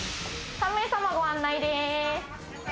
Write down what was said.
３名様ご案内でーす。